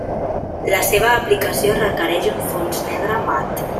La seva aplicació requereix un fons negre mat.